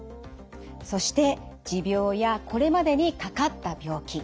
そして持病やこれまでにかかった病気。